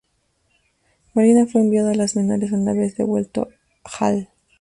Molina fue enviado a las menores una vez devuelto Hall.